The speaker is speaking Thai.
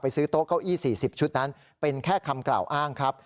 ซื้อโต๊ะเก้าอี้๔๐ชุดนั้นเป็นแค่คำกล่าวอ้างครับ